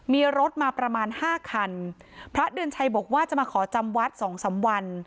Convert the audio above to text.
มีรถมาประมาณห้าคันพระเดือนชัยบอกว่าจะมาขอจำวัดสองสามวัน